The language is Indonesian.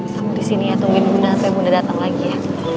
sampai disini ya tungguin bunda sampai bunda datang lagi ya